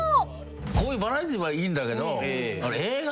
こういうバラエティーはいいんだけど。